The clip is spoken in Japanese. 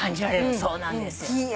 そうなんですよ。